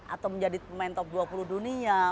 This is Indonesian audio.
atau menjadi pemain top dua puluh dunia